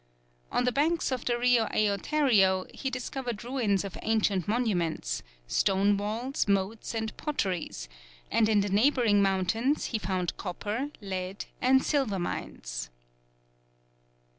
On the banks of the Rio Eiotario he discovered ruins of ancient monuments, stone walls, moats, and potteries, and in the neighbouring mountains he found copper, lead, and silver mines.